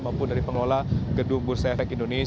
maupun dari pengelola gedung bursa efek indonesia